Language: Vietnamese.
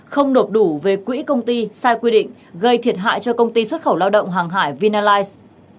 không nộp đủ về quỹ công ty sai quy định gây thiệt hại cho công ty xuất khẩu lao động hàng hải vinalize